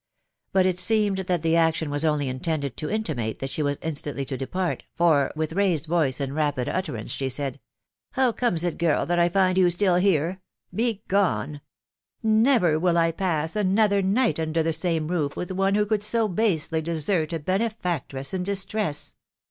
But it seemed that the action was only intended to intimate that she was instantly to depart, for, with raised yoice and rapid utterance, she said, " How comes it, girl, that I find you still here ?.... Begone !.•.. Never will I pass another night under the same roof with one who could so basely desert a benefactress in distress